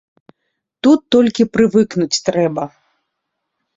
Тут толькі прывыкнуць трэба.